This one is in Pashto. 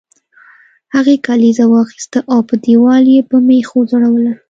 هغې کلیزه واخیسته او په دیوال یې په میخ وځړوله